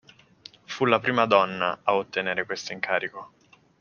Fu la prima donna a ottenere questo incarico.